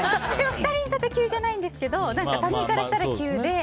２人にとっては急じゃないんですけど他人からしたら急で。